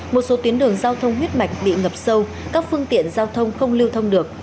một số tuyến đường giao thông huyết mạch bị ngập sâu các phương tiện giao thông không lưu thông được